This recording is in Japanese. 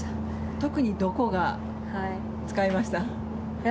特にどこが疲れました？